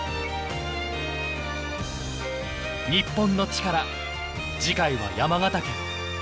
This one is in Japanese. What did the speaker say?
『日本のチカラ』次回は山形県。